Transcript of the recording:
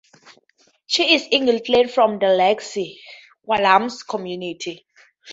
She is Eagle Clan from the Lax Kw’alaams community.